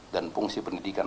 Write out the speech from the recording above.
dan fungsi pendidikan